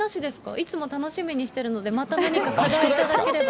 いつも楽しみにしてるので、また何か宿題頂ければ。